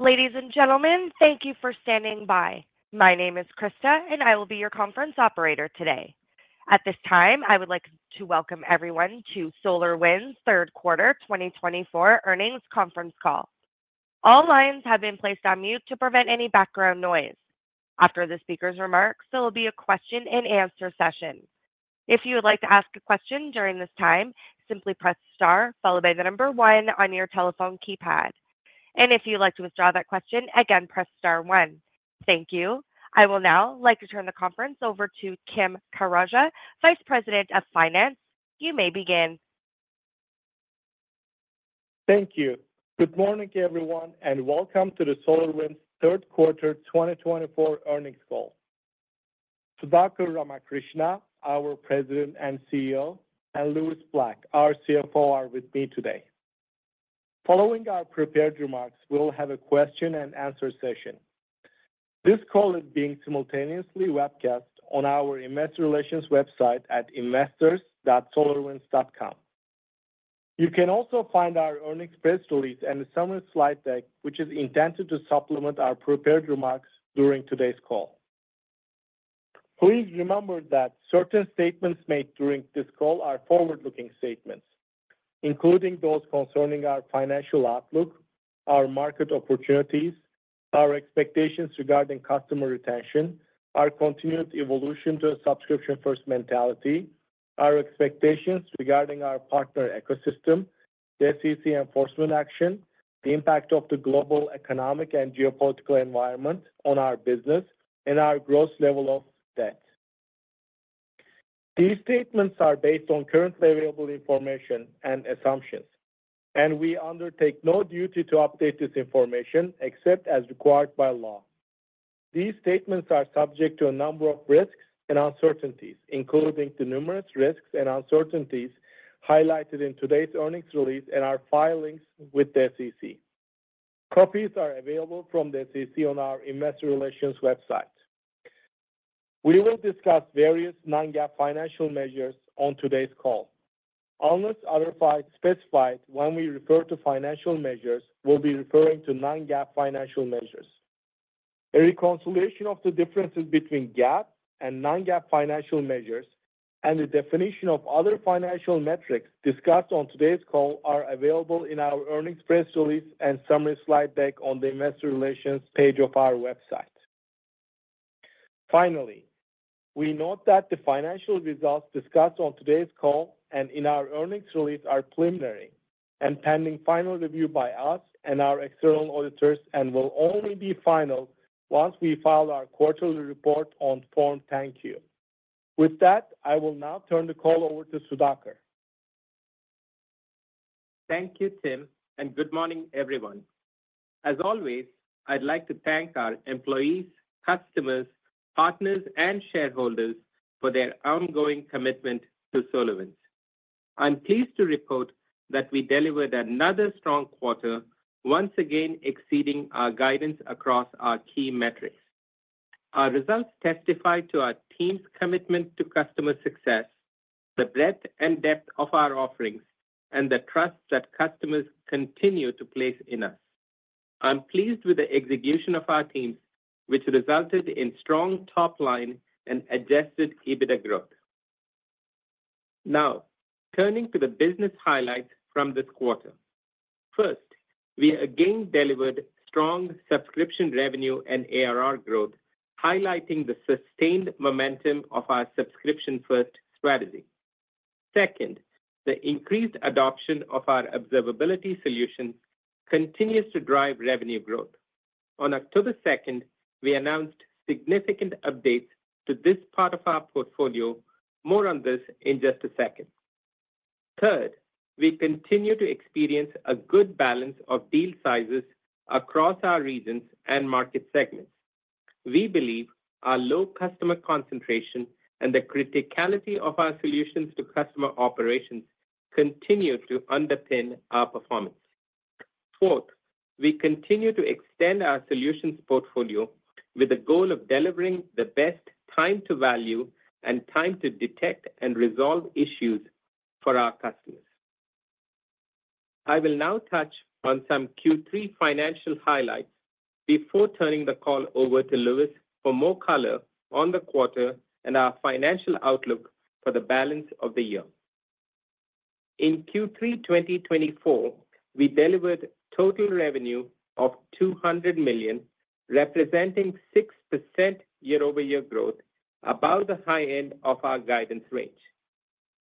Ladies and gentlemen, thank you for standing by. My name is Krista, and I will be your conference operator today. At this time, I would like to welcome everyone to SolarWinds' third quarter 2024 earnings conference call. All lines have been placed on mute to prevent any background noise. After the speaker's remarks, there will be a question-and-answer session. If you would like to ask a question during this time, simply press star followed by the number one on your telephone keypad. And if you'd like to withdraw that question, again, press star one. Thank you. I will now like to turn the conference over to Tim Karaca, Vice President of Finance. You may begin. Thank you. Good morning, everyone, and welcome to the SolarWinds' third quarter 2024 earnings call. Sudhakar Ramakrishna, our President and CEO, and Lewis Black, our CFO, are with me today. Following our prepared remarks, we'll have a question-and-answer session. This call is being simultaneously webcast on our Investor Relations website at investors.solarwinds.com. You can also find our earnings press release and the summary slide deck, which is intended to supplement our prepared remarks during today's call. Please remember that certain statements made during this call are forward-looking statements, including those concerning our financial outlook, our market opportunities, our expectations regarding customer retention, our continued evolution to a subscription-first mentality, our expectations regarding our partner ecosystem, the SEC enforcement action, the impact of the global economic and geopolitical environment on our business, and our gross level of debt. These statements are based on currently available information and assumptions, and we undertake no duty to update this information except as required by law. These statements are subject to a number of risks and uncertainties, including the numerous risks and uncertainties highlighted in today's earnings release and our filings with the SEC. Copies are available from the SEC on our Investor Relations website. We will discuss various non-GAAP financial measures on today's call. Unless otherwise specified when we refer to financial measures, we'll be referring to non-GAAP financial measures. A reconciliation of the differences between GAAP and non-GAAP financial measures and the definition of other financial metrics discussed on today's call are available in our earnings press release and summary slide deck on the Investor Relations page of our website. Finally, we note that the financial results discussed on today's call and in our earnings release are preliminary and pending final review by us and our external auditors and will only be final once we file our quarterly report on Form 10-Q. Thank you. With that, I will now turn the call over to Sudhakar. Thank you, Tim, and good morning, everyone. As always, I'd like to thank our employees, customers, partners, and shareholders for their ongoing commitment to SolarWinds. I'm pleased to report that we delivered another strong quarter, once again exceeding our guidance across our key metrics. Our results testify to our team's commitment to customer success, the breadth and depth of our offerings, and the trust that customers continue to place in us. I'm pleased with the execution of our teams, which resulted in strong top-line and Adjusted EBITDA growth. Now, turning to the business highlights from this quarter. First, we again delivered strong subscription revenue and ARR growth, highlighting the sustained momentum of our subscription-first strategy. Second, the increased adoption of our observability solutions continues to drive revenue growth. On October 2nd, we announced significant updates to this part of our portfolio. More on this in just a second. Third, we continue to experience a good balance of deal sizes across our regions and market segments. We believe our low customer concentration and the criticality of our solutions to customer operations continue to underpin our performance. Fourth, we continue to extend our solutions portfolio with the goal of delivering the best time-to-value and time-to-detect and resolve issues for our customers. I will now touch on some Q3 financial highlights before turning the call over to Lewis for more color on the quarter and our financial outlook for the balance of the year. In Q3 2024, we delivered total revenue of $200 million, representing 6% year-over-year growth, about the high end of our guidance range.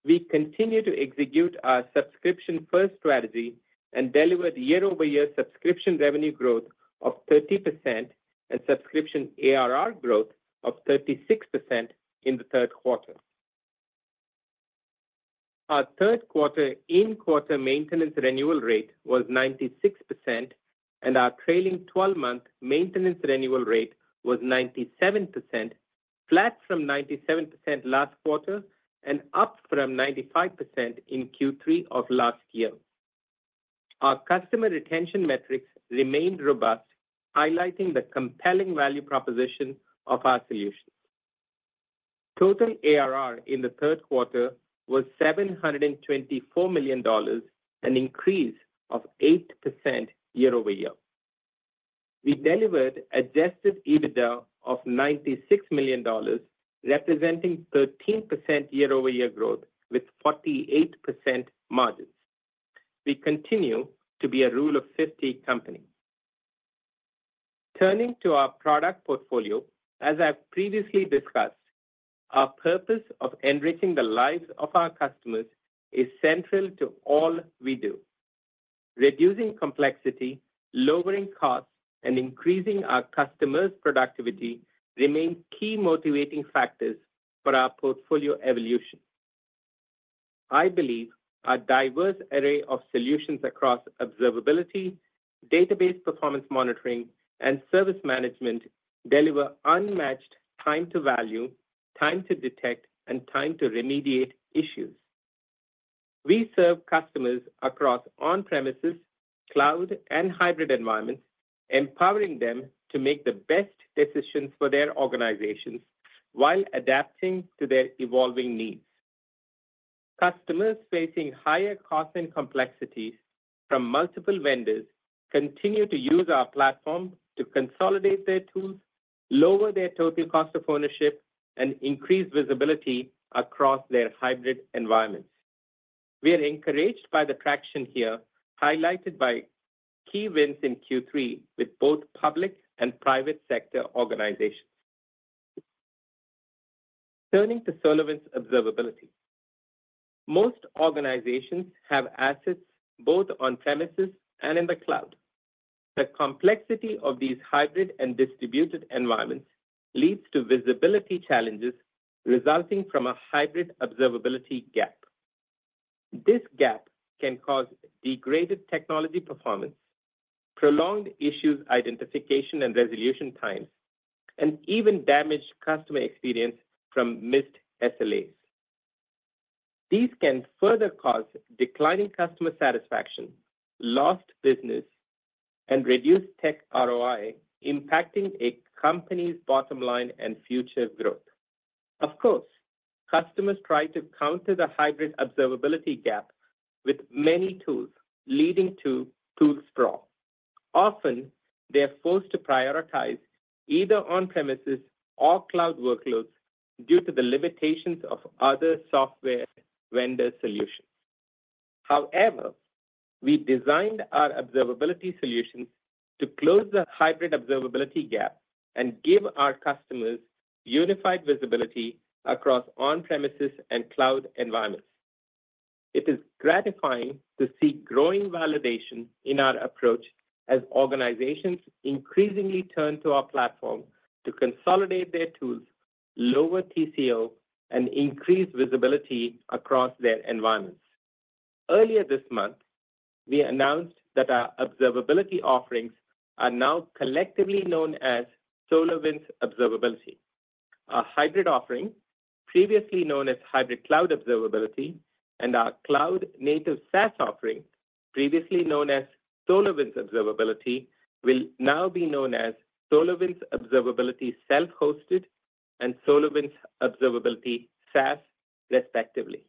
We continue to execute our subscription-first strategy and delivered year-over-year subscription revenue growth of 30% and subscription ARR growth of 36% in the third quarter. Our third quarter in-quarter maintenance renewal rate was 96%, and our trailing 12-month maintenance renewal rate was 97%, flat from 97% last quarter and up from 95% in Q3 of last year. Our customer retention metrics remained robust, highlighting the compelling value proposition of our solutions. Total ARR in the third quarter was $724 million, an increase of 8% year-over-year. We delivered Adjusted EBITDA of $96 million, representing 13% year-over-year growth with 48% margins. We continue to be a Rule of 50 company. Turning to our product portfolio, as I've previously discussed, our purpose of enriching the lives of our customers is central to all we do. Reducing complexity, lowering costs, and increasing our customers' productivity remain key motivating factors for our portfolio evolution. I believe our diverse array of solutions across observability, database performance monitoring, and service management deliver unmatched time-to-value, time-to-detect, and time-to-remediate issues. We serve customers across on-premises, cloud, and hybrid environments, empowering them to make the best decisions for their organizations while adapting to their evolving needs. Customers facing higher costs and complexities from multiple vendors continue to use our platform to consolidate their tools, lower their total cost of ownership, and increase visibility across their hybrid environments. We are encouraged by the traction here, highlighted by key wins in Q3 with both public and private sector organizations. Turning to SolarWinds Observability. Most organizations have assets both on-premises and in the cloud. The complexity of these hybrid and distributed environments leads to visibility challenges resulting from a hybrid observability gap. This gap can cause degraded technology performance, prolonged issues identification and resolution times, and even damaged customer experience from missed SLAs. These can further cause declining customer satisfaction, lost business, and reduced tech ROI, impacting a company's bottom line and future growth. Of course, customers try to counter the hybrid observability gap with many tools, leading to tool sprawl. Often, they are forced to prioritize either on-premises or cloud workloads due to the limitations of other software vendor solutions. However, we designed our observability solutions to close the hybrid observability gap and give our customers unified visibility across on-premises and cloud environments. It is gratifying to see growing validation in our approach as organizations increasingly turn to our platform to consolidate their tools, lower TCO, and increase visibility across their environments. Earlier this month, we announced that our observability offerings are now collectively known as SolarWinds Observability. Our hybrid offering, previously known as Hybrid Cloud Observability, and our cloud-native SaaS offering, previously known as SolarWinds Observability, will now be known as SolarWinds Observability Self-Hosted and SolarWinds Observability SaaS, respectively.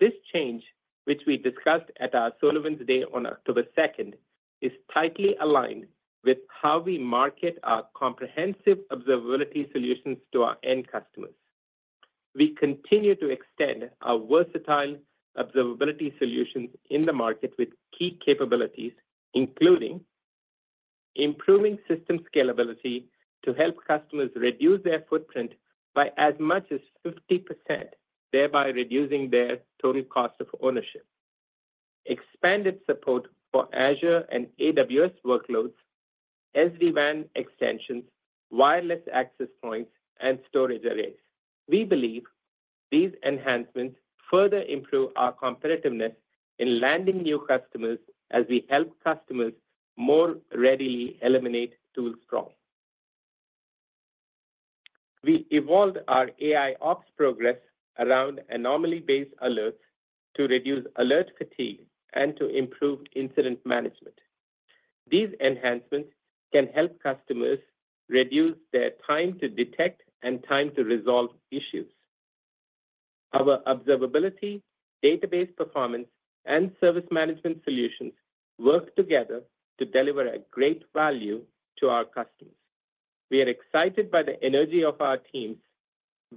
This change, which we discussed at our SolarWinds Day on October 2nd, is tightly aligned with how we market our comprehensive observability solutions to our end customers. We continue to extend our versatile observability solutions in the market with key capabilities, including improving system scalability to help customers reduce their footprint by as much as 50%, thereby reducing their total cost of ownership, expanded support for Azure and AWS workloads, SD-WAN extensions, wireless access points, and storage arrays. We believe these enhancements further improve our competitiveness in landing new customers as we help customers more readily eliminate tool sprawl. We evolved our AIOps progress around anomaly-based alerts to reduce alert fatigue and to improve incident management. These enhancements can help customers reduce their time-to-detect and time-to-resolve issues. Our observability, database performance, and service management solutions work together to deliver a great value to our customers. We are excited by the energy of our teams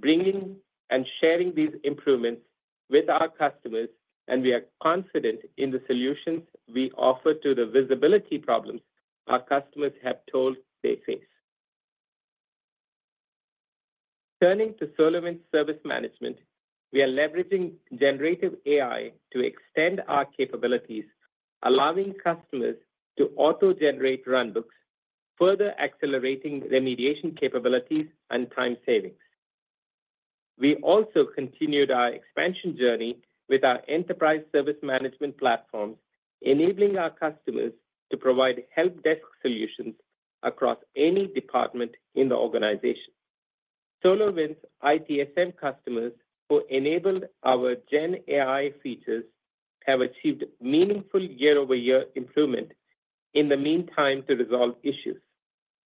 bringing and sharing these improvements with our customers, and we are confident in the solutions we offer to the visibility problems our customers have told us they face. Turning to SolarWinds Service Management, we are leveraging generative AI to extend our capabilities, allowing customers to auto-generate runbooks, further accelerating remediation capabilities and time savings. We also continued our expansion journey with our enterprise service management platforms, enabling our customers to provide help desk solutions across any department in the organization. SolarWinds ITSM customers who enabled our GenAI features have achieved meaningful year-over-year improvement in the mean time to resolve issues.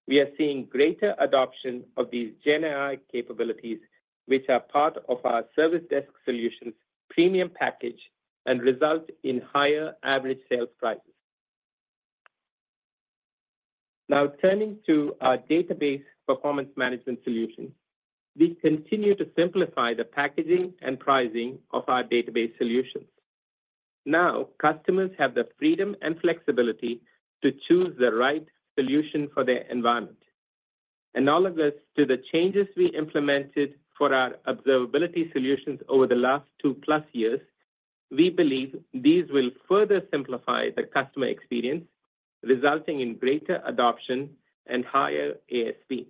We are seeing greater adoption of these GenAI capabilities, which are part of our service desk solutions premium package and result in higher average sales prices. Now, turning to our database performance management solutions, we continue to simplify the packaging and pricing of our database solutions. Now, customers have the freedom and flexibility to choose the right solution for their environment. Analogous to the changes we implemented for our observability solutions over the last two-plus years, we believe these will further simplify the customer experience, resulting in greater adoption and higher ASP.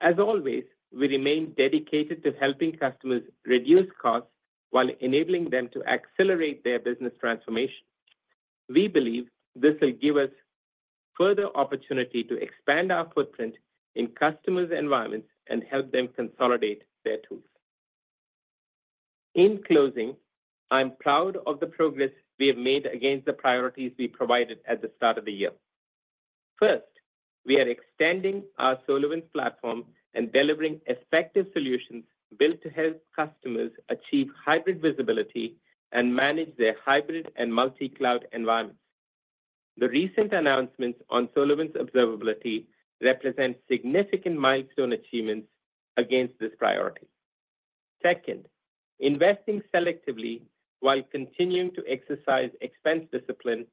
As always, we remain dedicated to helping customers reduce costs while enabling them to accelerate their business transformation. We believe this will give us further opportunity to expand our footprint in customers' environments and help them consolidate their tools. In closing, I'm proud of the progress we have made against the priorities we provided at the start of the year. First, we are extending our SolarWinds Platform and delivering effective solutions built to help customers achieve hybrid visibility and manage their hybrid and multi-cloud environments. The recent announcements on SolarWinds Observability represent significant milestone achievements against this priority. Second, investing selectively while continuing to exercise expense discipline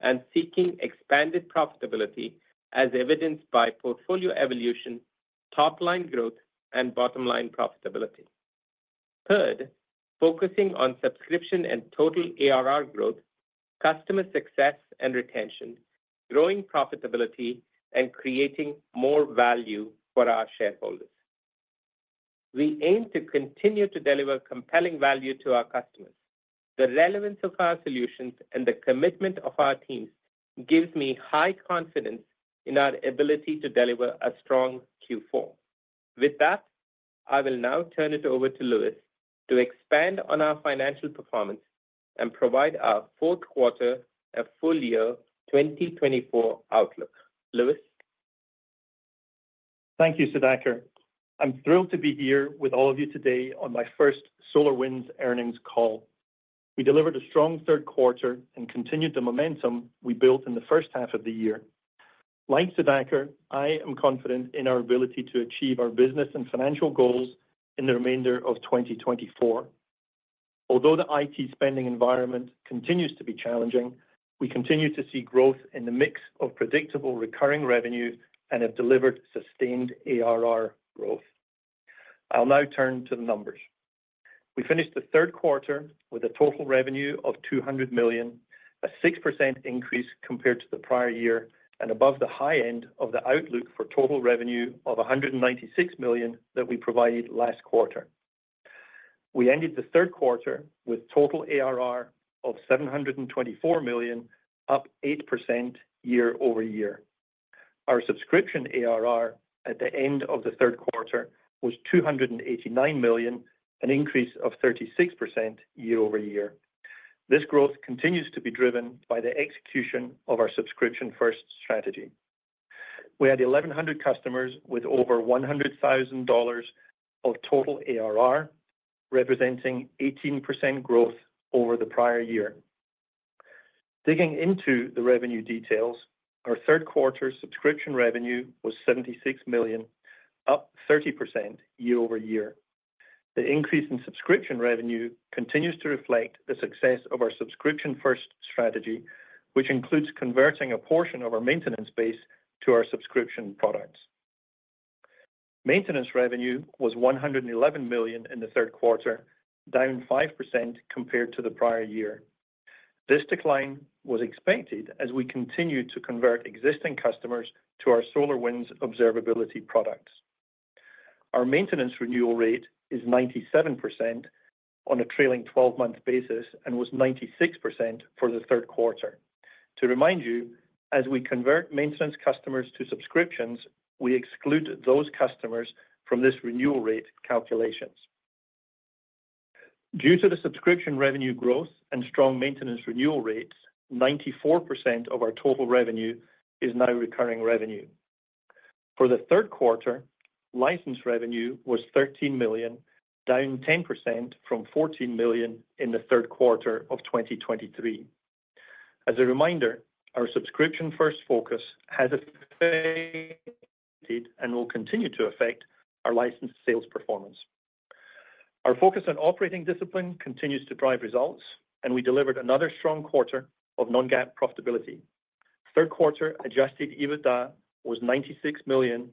and seeking expanded profitability, as evidenced by portfolio evolution, top-line growth, and bottom-line profitability. Third, focusing on subscription and total ARR growth, customer success and retention, growing profitability, and creating more value for our shareholders. We aim to continue to deliver compelling value to our customers. The relevance of our solutions and the commitment of our teams gives me high confidence in our ability to deliver a strong Q4. With that, I will now turn it over to Lewis to expand on our financial performance and provide our fourth quarter, a full year, 2024 outlook. Lewis? Thank you, Sudhakar. I'm thrilled to be here with all of you today on my first SolarWinds earnings call. We delivered a strong third quarter and continued the momentum we built in the first half of the year. Like Sudhakar, I am confident in our ability to achieve our business and financial goals in the remainder of 2024. Although the IT spending environment continues to be challenging, we continue to see growth in the mix of predictable recurring revenue and have delivered sustained ARR growth. I'll now turn to the numbers. We finished the third quarter with a total revenue of $200 million, a 6% increase compared to the prior year and above the high end of the outlook for total revenue of $196 million that we provided last quarter. We ended the third quarter with total ARR of $724 million, up 8% year-over-year. Our subscription ARR at the end of the third quarter was $289 million, an increase of 36% year-over-year. This growth continues to be driven by the execution of our subscription-first strategy. We had 1,100 customers with over $100,000 of total ARR, representing 18% growth over the prior year. Digging into the revenue details, our third quarter subscription revenue was $76 million, up 30% year-over-year. The increase in subscription revenue continues to reflect the success of our subscription-first strategy, which includes converting a portion of our maintenance base to our subscription products. Maintenance revenue was $111 million in the third quarter, down 5% compared to the prior year. This decline was expected as we continued to convert existing customers to our SolarWinds Observability products. Our maintenance renewal rate is 97% on a trailing 12-month basis and was 96% for the third quarter. To remind you, as we convert maintenance customers to subscriptions, we exclude those customers from this renewal rate calculations. Due to the subscription revenue growth and strong maintenance renewal rates, 94% of our total revenue is now recurring revenue. For the third quarter, license revenue was $13 million, down 10% from $14 million in the third quarter of 2023. As a reminder, our subscription-first focus has affected and will continue to affect our license sales performance. Our focus on operating discipline continues to drive results, and we delivered another strong quarter of non-GAAP profitability. Third quarter Adjusted EBITDA was $96 million,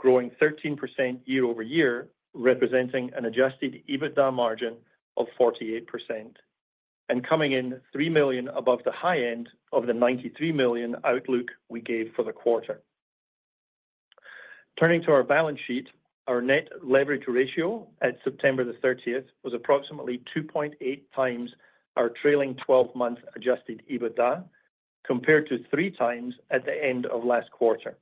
growing 13% year-over-year, representing an Adjusted EBITDA margin of 48%, and coming in $3 million above the high end of the $93 million outlook we gave for the quarter. Turning to our balance sheet, our net leverage ratio at September the 30th was approximately 2.8 times our trailing 12-month Adjusted EBITDA, compared to three times at the end of last quarter.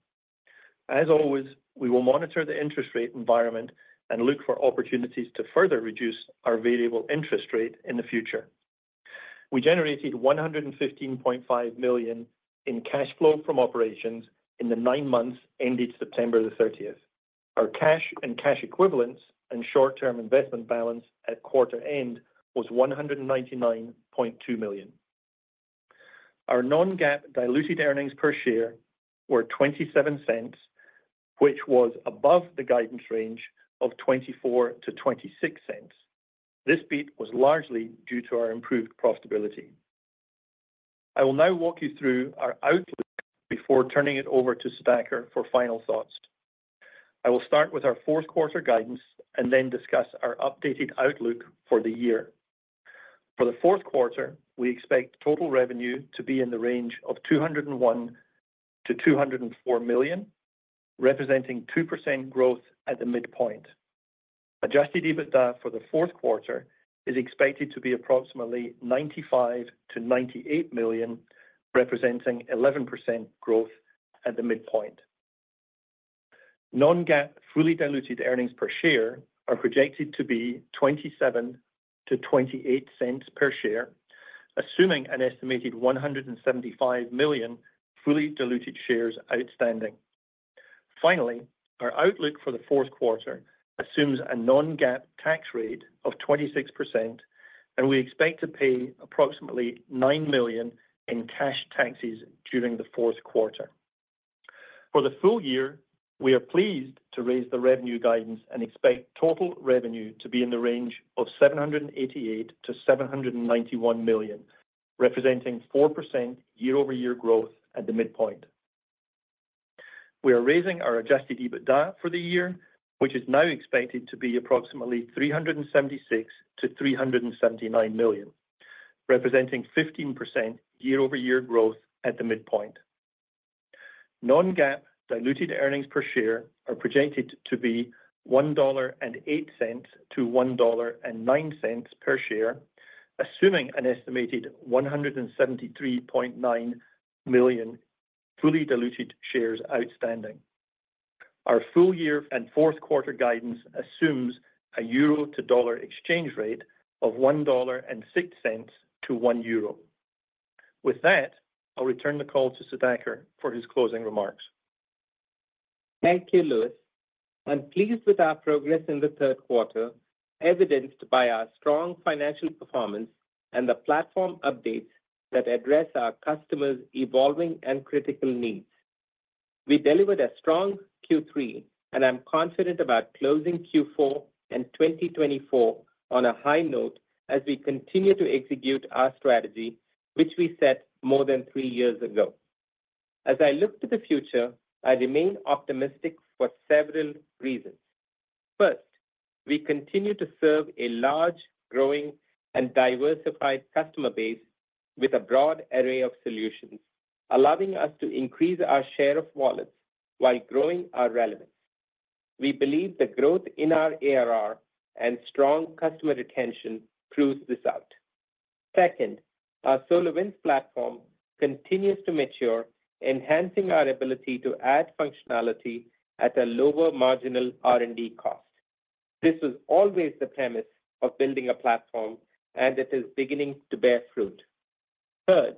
As always, we will monitor the interest rate environment and look for opportunities to further reduce our variable interest rate in the future. We generated $115.5 million in cash flow from operations in the nine months ended September the 30th. Our cash and cash equivalents and short-term investment balance at quarter end was $199.2 million. Our non-GAAP diluted earnings per share were $0.27, which was above the guidance range of $0.24-$0.26. This beat was largely due to our improved profitability. I will now walk you through our outlook before turning it over to Sudhakar for final thoughts. I will start with our fourth quarter guidance and then discuss our updated outlook for the year. For the fourth quarter, we expect total revenue to be in the range of $201 million-$204 million, representing 2% growth at the midpoint. Adjusted EBITDA for the fourth quarter is expected to be approximately $95 million-$98 million, representing 11% growth at the midpoint. non-GAAP fully diluted earnings per share are projected to be $0.27-$0.28 per share, assuming an estimated 175 million fully diluted shares outstanding. Finally, our outlook for the fourth quarter assumes a non-GAAP tax rate of 26%, and we expect to pay approximately $9 million in cash taxes during the fourth quarter. For the full year, we are pleased to raise the revenue guidance and expect total revenue to be in the range of $788 million-$791 million, representing 4% year-over-year growth at the midpoint. We are raising our Adjusted EBITDA for the year, which is now expected to be approximately $376 million-$379 million, representing 15% year-over-year growth at the midpoint. non-GAAP diluted earnings per share are projected to be $1.08-$1.09 per share, assuming an estimated 173.9 million fully diluted shares outstanding. Our full year and fourth quarter guidance assumes a euro to dollar exchange rate of $1.06 to 1 euro. With that, I'll return the call to Sudhakar for his closing remarks. Thank you, Lewis. I'm pleased with our progress in the third quarter, evidenced by our strong financial performance and the platform updates that address our customers' evolving and critical needs. We delivered a strong Q3, and I'm confident about closing Q4 and 2024 on a high note as we continue to execute our strategy, which we set more than three years ago. As I look to the future, I remain optimistic for several reasons. First, we continue to serve a large, growing, and diversified customer base with a broad array of solutions, allowing us to increase our share of wallets while growing our relevance. We believe the growth in our ARR and strong customer retention proves this out. Second, our SolarWinds Platform continues to mature, enhancing our ability to add functionality at a lower marginal R&D cost. This was always the premise of building a platform, and it is beginning to bear fruit. Third,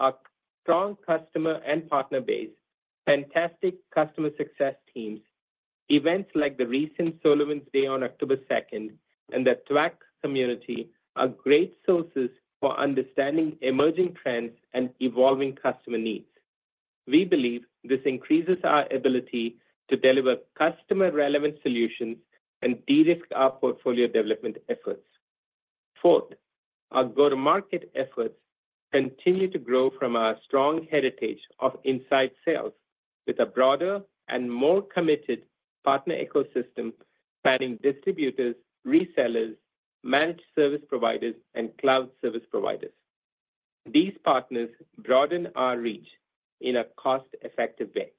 our strong customer and partner base, fantastic customer success teams, events like the recent SolarWinds Day on October 2nd, and the THWACK community are great sources for understanding emerging trends and evolving customer needs. We believe this increases our ability to deliver customer-relevant solutions and de-risk our portfolio development efforts. Fourth, our go-to-market efforts continue to grow from our strong heritage of inside sales with a broader and more committed partner ecosystem spanning distributors, resellers, managed service providers, and cloud service providers. These partners broaden our reach in a cost-effective way.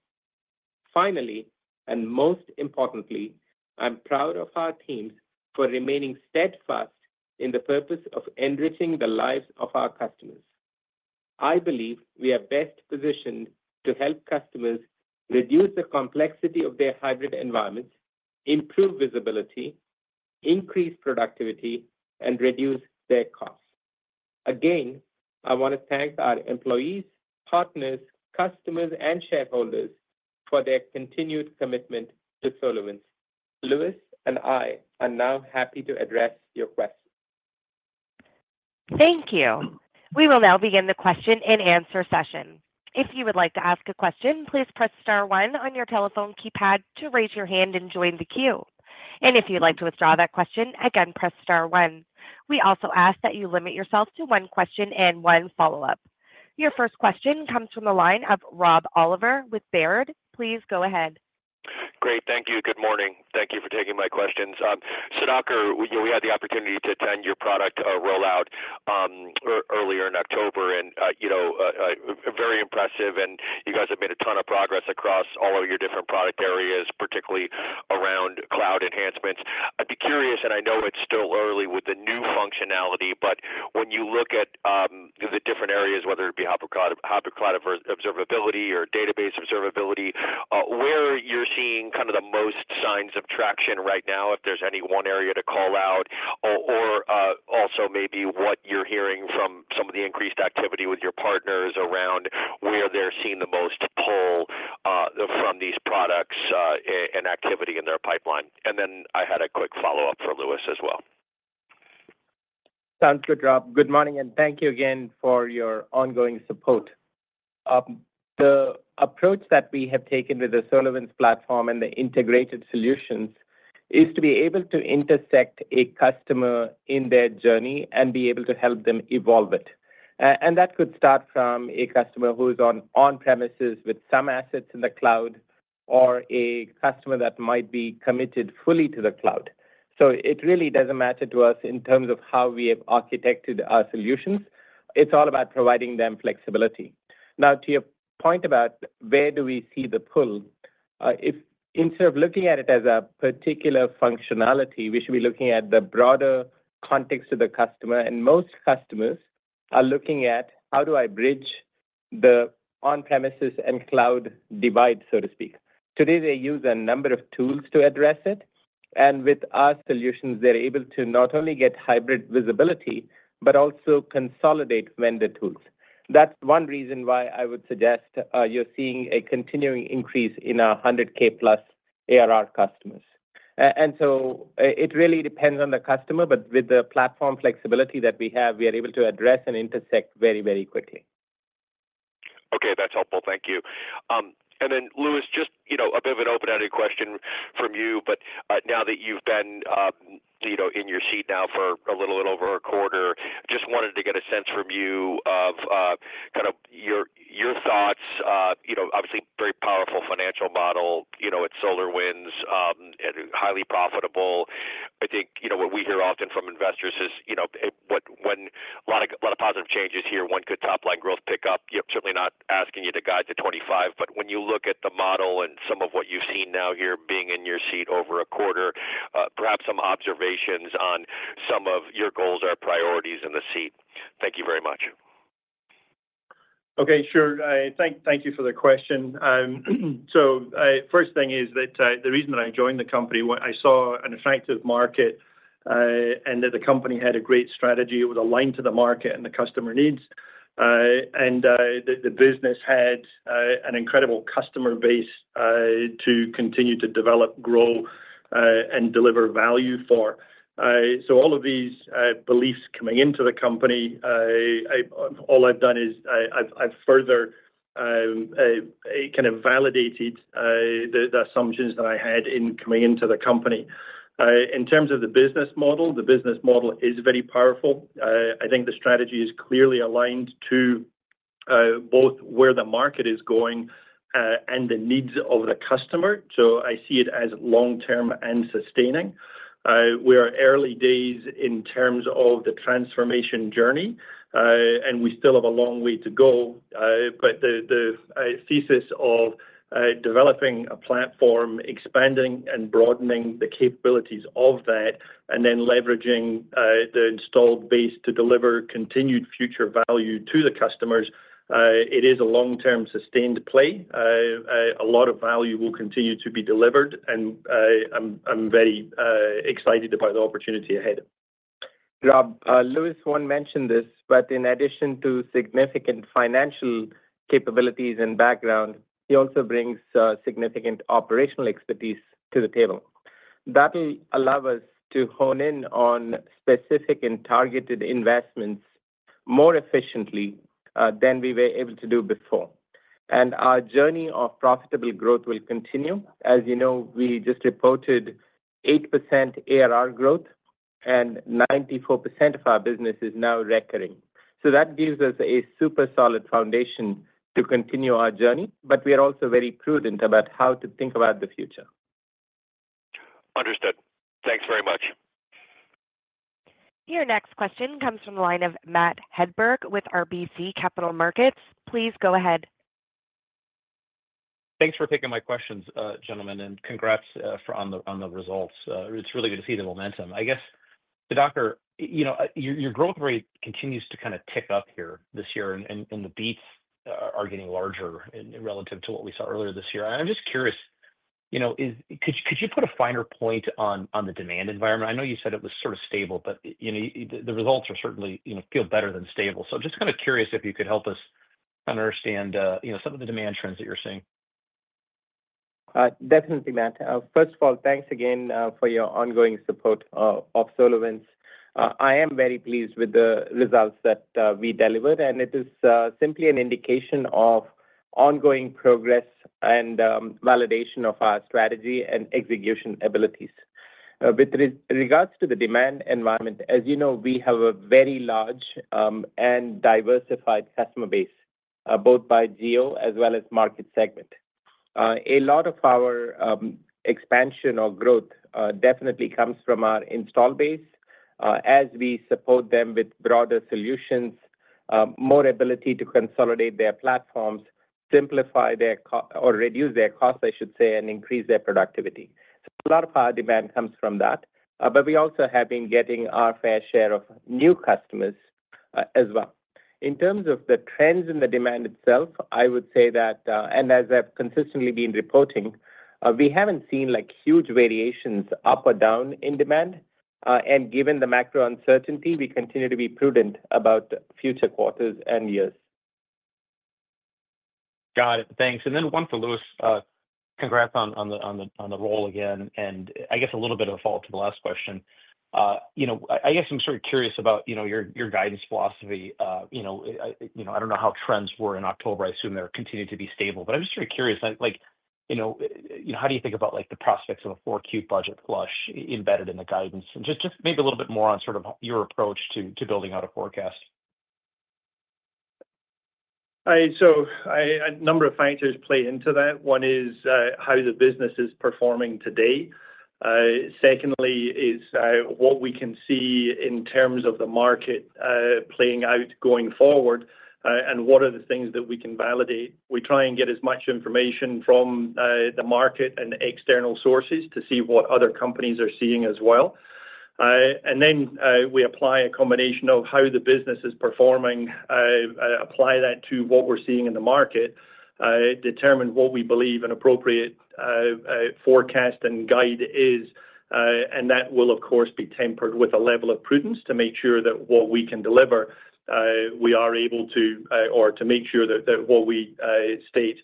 Finally, and most importantly, I'm proud of our teams for remaining steadfast in the purpose of enriching the lives of our customers. I believe we are best positioned to help customers reduce the complexity of their hybrid environments, improve visibility, increase productivity, and reduce their costs. Again, I want to thank our employees, partners, customers, and shareholders for their continued commitment to SolarWinds. Lewis and I are now happy to address your questions. Thank you. We will now begin the question and answer session. If you would like to ask a question, please press star one on your telephone keypad to raise your hand and join the queue. And if you'd like to withdraw that question, again, press star one. We also ask that you limit yourself to one question and one follow-up. Your first question comes from the line of Rob Oliver with Baird. Please go ahead. Great. Thank you. Good morning. Thank you for taking my questions. Sudhakar, we had the opportunity to attend your product rollout earlier in October, and very impressive. And you guys have made a ton of progress across all of your different product areas, particularly around cloud enhancements. I'd be curious, and I know it's still early with the new functionality, but when you look at the different areas, whether it be Hybrid Cloud Observability or Database Observability, where you're seeing kind of the most signs of traction right now, if there's any one area to call out, or also maybe what you're hearing from some of the increased activity with your partners around where they're seeing the most pull from these products and activity in their pipeline? And then I had a quick follow-up for Lewis as well. Sounds good, Rob. Good morning, and thank you again for your ongoing support. The approach that we have taken with the SolarWinds Platform and the integrated solutions is to be able to intersect a customer in their journey and be able to help them evolve it. And that could start from a customer who is on-premises with some assets in the cloud or a customer that might be committed fully to the cloud. So it really doesn't matter to us in terms of how we have architected our solutions. It's all about providing them flexibility. Now, to your point about where do we see the pull, instead of looking at it as a particular functionality, we should be looking at the broader context of the customer. And most customers are looking at, how do I bridge the on-premises and cloud divide, so to speak? Today, they use a number of tools to address it. And with our solutions, they're able to not only get hybrid visibility but also consolidate vendor tools. That's one reason why I would suggest you're seeing a continuing increase in our $100K-plus ARR customers. And so it really depends on the customer, but with the platform flexibility that we have, we are able to address and intersect very, very quickly. Okay. That's helpful. Thank you. And then, Lewis, just a bit of an open-ended question from you. But now that you've been in your seat now for a little bit over a quarter, just wanted to get a sense from you of kind of your thoughts. Obviously, very powerful financial model at SolarWinds, highly profitable. I think what we hear often from investors is, with a lot of positive changes here, when could top-line growth pick up. Certainly not asking you to guide to 25, but when you look at the model and some of what you've seen now here being in your seat over a quarter, perhaps some observations on some of your goals or priorities in the seat. Thank you very much. Okay. Sure. Thank you for the question. So first thing is that the reason that I joined the company. I saw an attractive market and that the company had a great strategy that was aligned to the market and the customer needs. And the business had an incredible customer base to continue to develop, grow, and deliver value for. So all of these beliefs coming into the company. All I've done is I've further kind of validated the assumptions that I had in coming into the company. In terms of the business model, the business model is very powerful. I think the strategy is clearly aligned to both where the market is going and the needs of the customer. So I see it as long-term and sustaining. We are early days in terms of the transformation journey, and we still have a long way to go. But the thesis of developing a platform, expanding and broadening the capabilities of that, and then leveraging the installed base to deliver continued future value to the customers, it is a long-term sustained play. A lot of value will continue to be delivered, and I'm very excited about the opportunity ahead. Rob, Lewis won't mention this, but in addition to significant financial capabilities and background, he also brings significant operational expertise to the table. That'll allow us to hone in on specific and targeted investments more efficiently than we were able to do before. And our journey of profitable growth will continue. As you know, we just reported 8% ARR growth, and 94% of our business is now recurring. So that gives us a super solid foundation to continue our journey, but we are also very prudent about how to think about the future. Understood. Thanks very much. Your next question comes from the line of Matt Hedberg with RBC Capital Markets. Please go ahead. Thanks for taking my questions, gentlemen, and congrats on the results. It's really good to see the momentum. I guess, Sudhakar, your growth rate continues to kind of tick up here this year, and the beats are getting larger relative to what we saw earlier this year. And I'm just curious, could you put a finer point on the demand environment? I know you said it was sort of stable, but the results certainly feel better than stable. So just kind of curious if you could help us understand some of the demand trends that you're seeing. Definitely, Matt. First of all, thanks again for your ongoing support of SolarWinds. I am very pleased with the results that we delivered, and it is simply an indication of ongoing progress and validation of our strategy and execution abilities. With regards to the demand environment, as you know, we have a very large and diversified customer base, both by geo as well as market segment. A lot of our expansion or growth definitely comes from our install base as we support them with broader solutions, more ability to consolidate their platforms, simplify their or reduce their costs, I should say, and increase their productivity. So a lot of our demand comes from that, but we also have been getting our fair share of new customers as well. In terms of the trends in the demand itself, I would say that, and as I've consistently been reporting, we haven't seen huge variations up or down in demand. And given the macro uncertainty, we continue to be prudent about future quarters and years. Got it. Thanks. And then one for Lewis, congrats on the role again. And I guess a little bit of a follow-up to the last question. I guess I'm sort of curious about your guidance philosophy. I don't know how trends were in October. I assume they continue to be stable. But I'm just sort of curious, how do you think about the prospects of a fourth-quarter budget flush embedded in the guidance? And just maybe a little bit more on sort of your approach to building out a forecast. So a number of factors play into that. One is how the business is performing today. Secondly is what we can see in terms of the market playing out going forward, and what are the things that we can validate. We try and get as much information from the market and external sources to see what other companies are seeing as well, and then we apply a combination of how the business is performing, apply that to what we're seeing in the market, determine what we believe an appropriate forecast and guide is, and that will, of course, be tempered with a level of prudence to make sure that what we can deliver, we are able to or to make sure that what we state,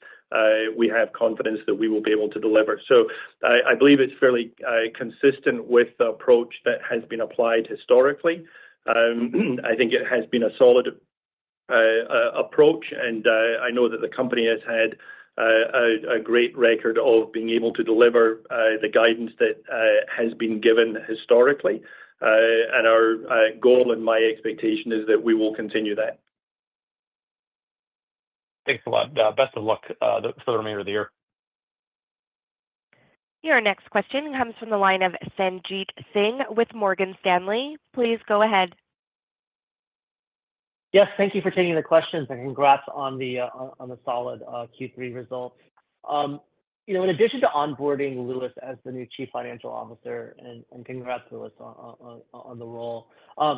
we have confidence that we will be able to deliver, so I believe it's fairly consistent with the approach that has been applied historically. I think it has been a solid approach, and I know that the company has had a great record of being able to deliver the guidance that has been given historically. Our goal and my expectation is that we will continue that. Thanks a lot. Best of luck for the remainder of the year. Your next question comes from the line of Sanjeet Singh with Morgan Stanley. Please go ahead. Yes. Thank you for taking the questions, and congrats on the solid Q3 results. In addition to onboarding Lewis as the new Chief Financial Officer, and congrats, Lewis, on the role,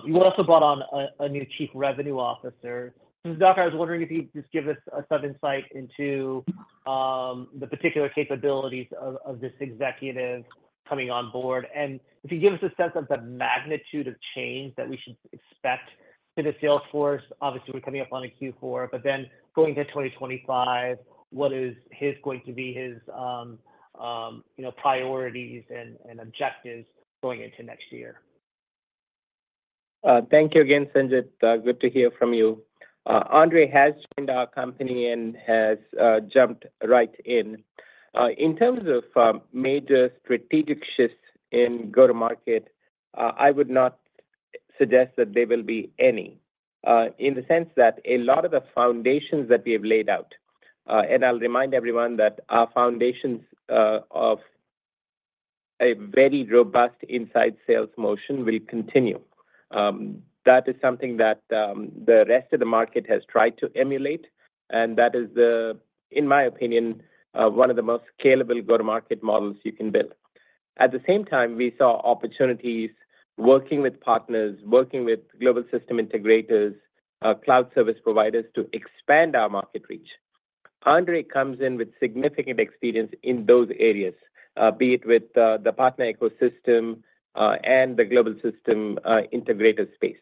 you also brought on a new Chief Revenue Officer. Sudhakar, I was wondering if you could just give us some insight into the particular capabilities of this executive coming on board. And if you give us a sense of the magnitude of change that we should expect for the salesforce, obviously, we're coming up on a Q4, but then going to 2025, what is going to be his priorities and objectives going into next year? Thank you again, Sanjeet. Good to hear from you. Andre has joined our company and has jumped right in. In terms of major strategic shifts in go-to-market, I would not suggest that there will be any, in the sense that a lot of the foundations that we have laid out, and I'll remind everyone that our foundations of a very robust inside sales motion will continue. That is something that the rest of the market has tried to emulate, and that is, in my opinion, one of the most scalable go-to-market models you can build. At the same time, we saw opportunities working with partners, working with global system integrators, cloud service providers to expand our market reach. Andre comes in with significant experience in those areas, be it with the partner ecosystem and the global system integrator space.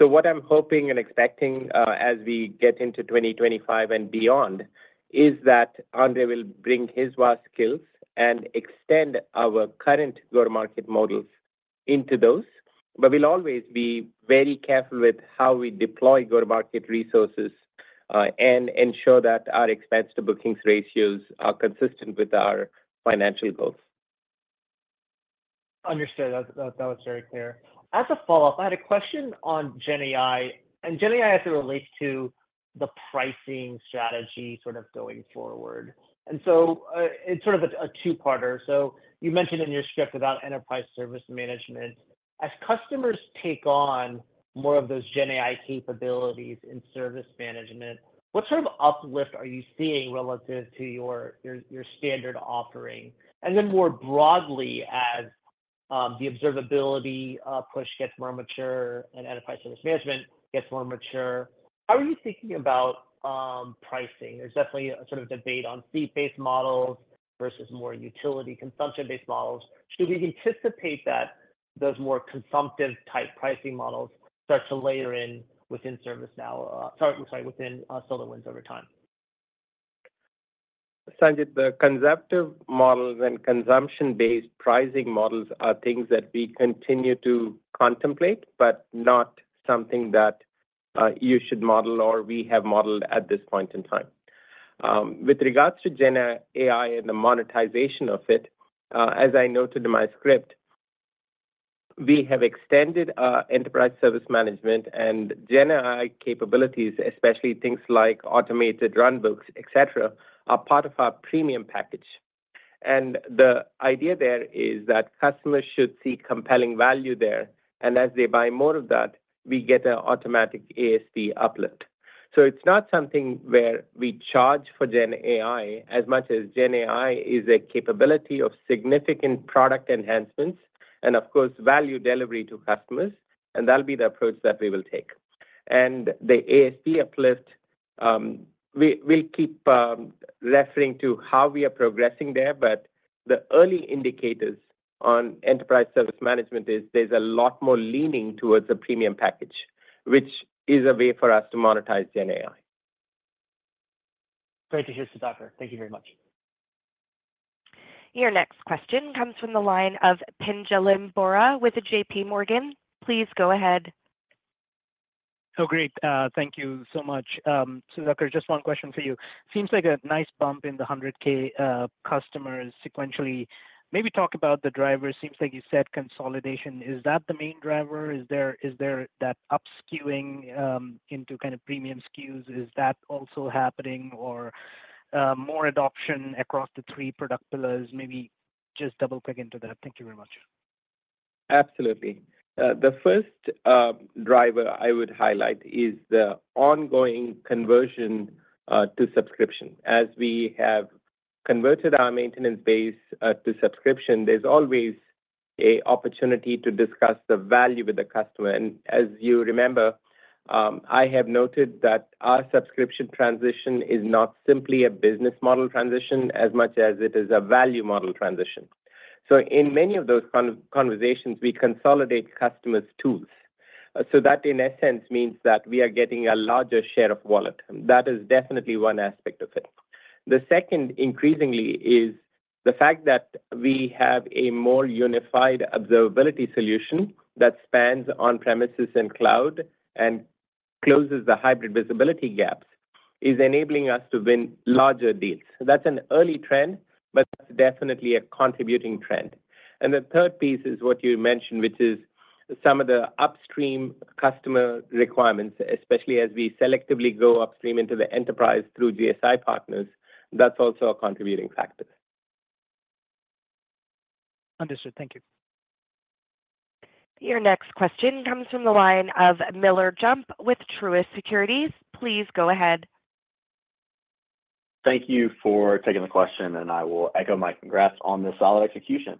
So what I'm hoping and expecting as we get into 2025 and beyond is that Andre will bring his vast skills and extend our current go-to-market models into those. But we'll always be very careful with how we deploy go-to-market resources and ensure that our expense-to-bookings ratios are consistent with our financial goals. Understood. That was very clear. As a follow-up, I had a question on GenAI, and GenAI as it relates to the pricing strategy sort of going forward. And so it's sort of a two-parter. So you mentioned in your script about enterprise service management. As customers take on more of those GenAI capabilities in service management, what sort of uplift are you seeing relative to your standard offering? And then more broadly, as the observability push gets more mature and enterprise service management gets more mature, how are you thinking about pricing? There's definitely a sort of debate on seat-based models versus more utility consumption-based models. Should we anticipate that those more consumption-type pricing models start to layer in within ServiceNow or sorry, within SolarWinds over time? Sanjeet, the consumption models and consumption-based pricing models are things that we continue to contemplate, but not something that you should model or we have modeled at this point in time. With regards to GenAI and the monetization of it, as I noted in my script, we have extended enterprise service management and GenAI capabilities, especially things like automated runbooks, etc., are part of our premium package, and the idea there is that customers should see compelling value there, and as they buy more of that, we get an automatic ASP uplift. So it's not something where we charge for GenAI as much as GenAI is a capability of significant product enhancements and, of course, value delivery to customers, and that'll be the approach that we will take. And the ASP uplift, we'll keep referring to how we are progressing there, but the early indicators on enterprise service management is there's a lot more leaning towards a premium package, which is a way for us to monetize GenAI. Great to hear, Sudhakar. Thank you very much. Your next question comes from the line of Pinjalim Bora with JPMorgan. Please go ahead. Oh, great. Thank you so much. Sudhakar, just one question for you. Seems like a nice bump in the $100K customers sequentially. Maybe talk about the driver. Seems like you said consolidation. Is that the main driver? Is there that up-skewing into kind of premium SKUs? Is that also happening or more adoption across the three product pillars? Maybe just double-click into that. Thank you very much. Absolutely. The first driver I would highlight is the ongoing conversion to subscription. As we have converted our maintenance base to subscription, there's always an opportunity to discuss the value with the customer. And as you remember, I have noted that our subscription transition is not simply a business model transition as much as it is a value model transition. So in many of those conversations, we consolidate customers' tools. So that, in essence, means that we are getting a larger share of wallet. That is definitely one aspect of it. The second, increasingly, is the fact that we have a more unified observability solution that spans on-premises and cloud and closes the hybrid visibility gaps, is enabling us to win larger deals. That's an early trend, but that's definitely a contributing trend. And the third piece is what you mentioned, which is some of the upstream customer requirements, especially as we selectively go upstream into the enterprise through GSI partners. That's also a contributing factor. Understood. Thank you. Your next question comes from the line of Miller Jump with Truist Securities. Please go ahead. Thank you for taking the question, and I will echo my congrats on the solid execution.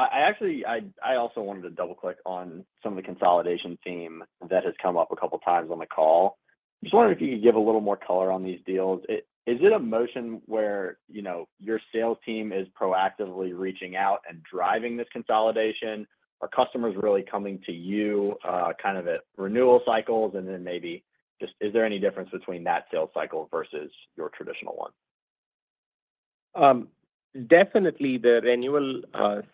Actually, I also wanted to double-click on some of the consolidation theme that has come up a couple of times on the call. Just wondering if you could give a little more color on these deals. Is it a motion where your sales team is proactively reaching out and driving this consolidation, or customers really coming to you kind of at renewal cycles, and then maybe just is there any difference between that sales cycle versus your traditional one? Definitely, the renewal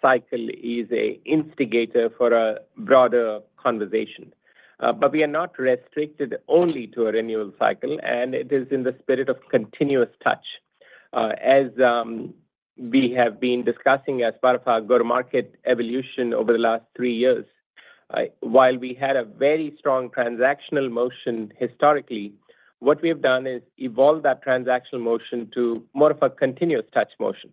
cycle is an instigator for a broader conversation, but we are not restricted only to a renewal cycle, and it is in the spirit of continuous touch. As we have been discussing as part of our go-to-market evolution over the last three years, while we had a very strong transactional motion historically, what we have done is evolve that transactional motion to more of a continuous touch motion.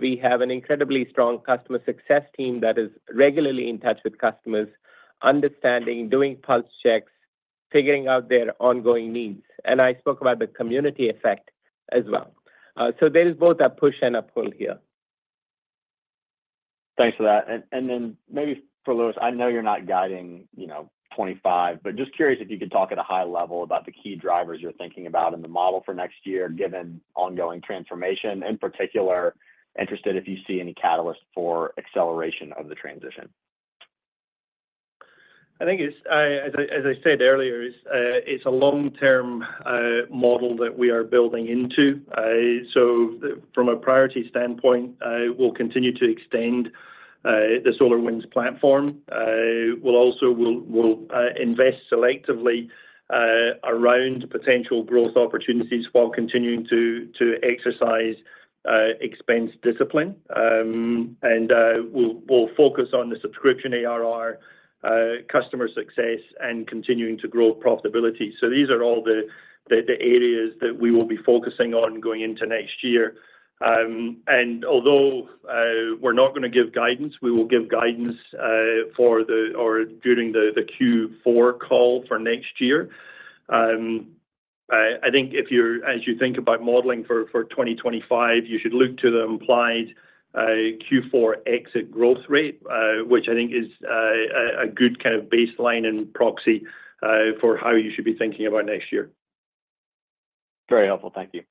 We have an incredibly strong customer success team that is regularly in touch with customers, understanding, doing pulse checks, figuring out their ongoing needs, and I spoke about the community effect as well. So there is both a push and a pull here. Thanks for that. And then maybe for Lewis, I know you're not guiding 25, but just curious if you could talk at a high level about the key drivers you're thinking about in the model for next year, given ongoing transformation. In particular, interested if you see any catalyst for acceleration of the transition. I think, as I said earlier, it's a long-term model that we are building into. So from a priority standpoint, we'll continue to extend the SolarWinds Platform. We'll also invest selectively around potential growth opportunities while continuing to exercise expense discipline. And we'll focus on the subscription ARR, customer success, and continuing to grow profitability. So these are all the areas that we will be focusing on going into next year. And although we're not going to give guidance, we will give guidance during the Q4 call for next year. I think if you're thinking about modeling for 2025, you should look to the implied Q4 exit growth rate, which I think is a good kind of baseline and proxy for how you should be thinking about next year. Very helpful. Thank you.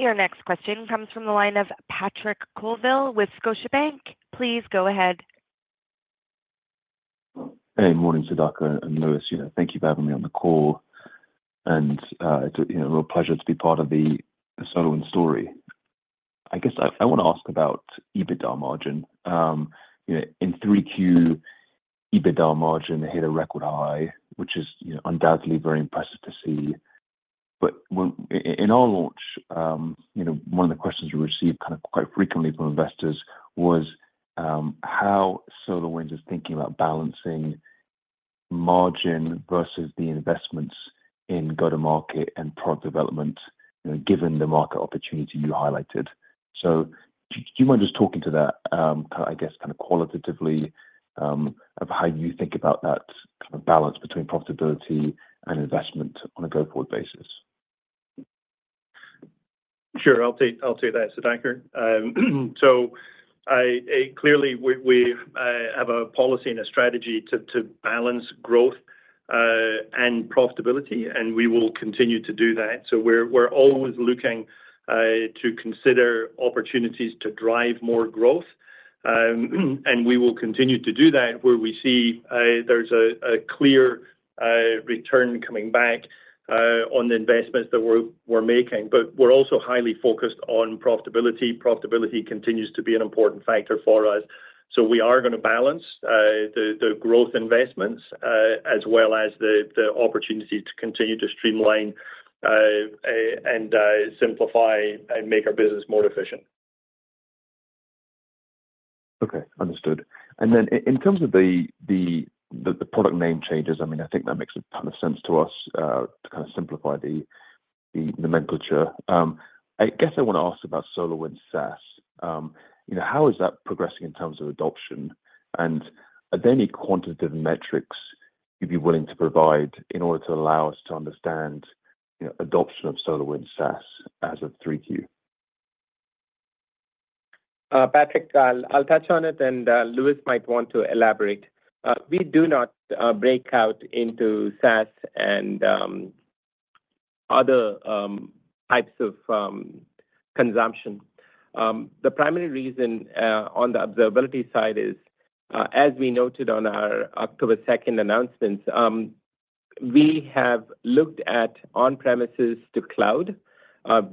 Your next question comes from the line of Patrick Colville with Scotiabank. Please go ahead. Hey, morning, Sudhakar and Lewis. Thank you for having me on the call, and it's a real pleasure to be part of the SolarWinds story. I guess I want to ask about EBITDA margin. In Q3, EBITDA margin hit a record high, which is undoubtedly very impressive to see. But in our launch, one of the questions we received kind of quite frequently from investors was how SolarWinds is thinking about balancing margin versus the investments in go-to-market and product development, given the market opportunity you highlighted. So do you mind just talking to that, I guess, kind of qualitatively of how you think about that kind of balance between profitability and investment on a go-forward basis? Sure. I'll take that, Sudhakar. So clearly, we have a policy and a strategy to balance growth and profitability, and we will continue to do that. So we're always looking to consider opportunities to drive more growth, and we will continue to do that where we see there's a clear return coming back on the investments that we're making. But we're also highly focused on profitability. Profitability continues to be an important factor for us. We are going to balance the growth investments as well as the opportunities to continue to streamline and simplify and make our business more efficient. Okay. Understood. And then in terms of the product name changes, I mean, I think that makes a ton of sense to us to kind of simplify the nomenclature. I guess I want to ask about SolarWinds SaaS. How is that progressing in terms of adoption? And are there any quantitative metrics you'd be willing to provide in order to allow us to understand adoption of SolarWinds SaaS as of 3Q? Patrick, I'll touch on it, and Lewis might want to elaborate. We do not break out into SaaS and other types of consumption. The primary reason on the observability side is, as we noted on our October 2nd announcements, we have looked at on-premises to cloud,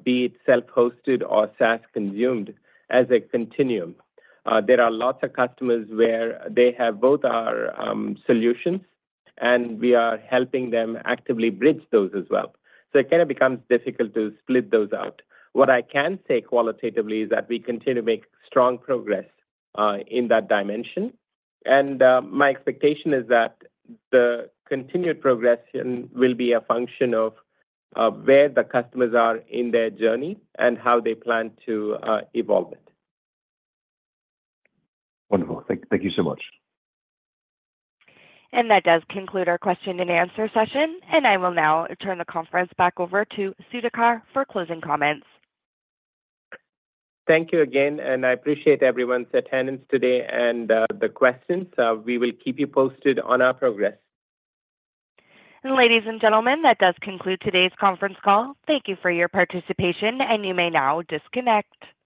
be it self-hosted or SaaS consumed as a continuum. There are lots of customers where they have both our solutions, and we are helping them actively bridge those as well. So it kind of becomes difficult to split those out. What I can say qualitatively is that we continue to make strong progress in that dimension. And my expectation is that the continued progression will be a function of where the customers are in their journey and how they plan to evolve it. Wonderful. Thank you so much. And that does conclude our question and answer session. And I will now turn the conference back over to Sudhakar for closing comments. Thank you again, and I appreciate everyone's attendance today and the questions. We will keep you posted on our progress. Ladies and gentlemen, that does conclude today's conference call. Thank you for your participation, and you may now disconnect.